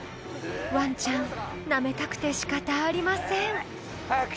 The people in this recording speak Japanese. ［ワンちゃんなめたくて仕方ありません］